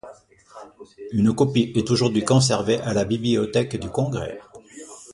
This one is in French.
Une copie est aujourd'hui conservée à la Bibliothèque du Congrès.